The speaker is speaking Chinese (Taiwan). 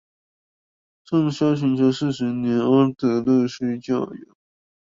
暢銷全球四十年阿德勒式教養